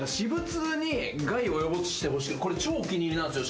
これ超お気に入りなんすよ。